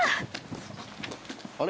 あれ？